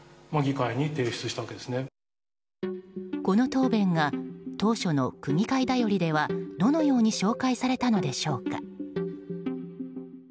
この答弁が当初の区議会だよりではどのように紹介されたのでしょうか。